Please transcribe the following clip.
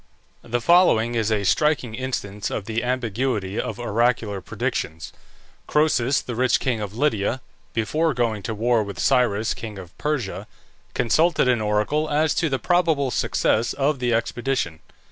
The following is a striking instance of the ambiguity of oracular predictions: Croesus, the rich king of Lydia, before going to war with Cyrus, king of Persia, consulted an oracle as to the probable success of the expedition.